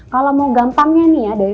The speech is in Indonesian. kalau mau gampangnya nih ya